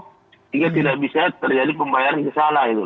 sehingga tidak bisa terjadi pembayaran yang salah itu